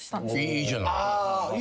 いいじゃない。